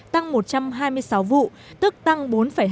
tăng một trăm hai mươi sáu vụ tức tăng bốn hai